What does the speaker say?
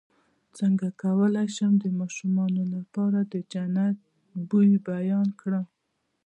څنګه کولی شم د ماشومانو لپاره د جنت د بوی بیان کړم